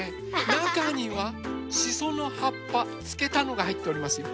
なかにはしそのはっぱつけたのがはいっておりますよ。